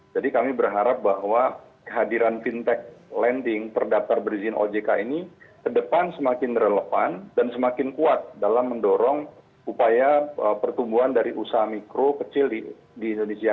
jadi kami berharap bahwa kehadiran fintech lending terdaftar berizin ojk ini ke depan semakin relevan dan semakin kuat dalam mendorong upaya pertumbuhan dari usaha mikro kecil di indonesia